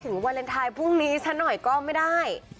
วาเลนไทยพรุ่งนี้สักหน่อยก็ไม่ได้